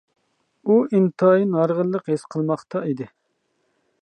ئۇ ئىنتايىن ھارغىنلىق ھېس قىلماقتا ئىدى.